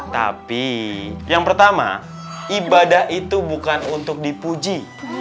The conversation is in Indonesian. tapi yang pertama ibadah itu bukan untuk dipuji